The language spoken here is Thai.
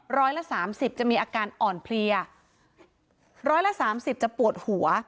ร้อยละสามสิบจะมีอาการอ่อนเพลียร้อยละสามสิบจะปวดหัว